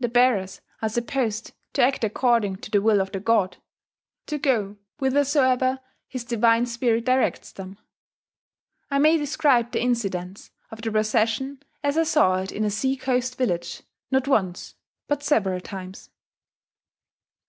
The bearers are supposed to act according to the will of the god, to go whithersoever his divine spirit directs them .... I may describe the incidents of the procession as I saw it in a seacoast village, not once, but several times.